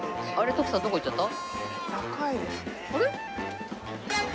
徳さんどこ行っちゃった？